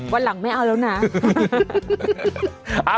วันหลังไม่เอาแล้วนะ